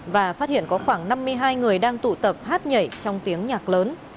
và phát hiện có khoảng năm mươi hai người đang tụ tập hát nhảy trong tiếng nhạc lớn